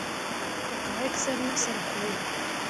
حقایق سر نه سره خوري.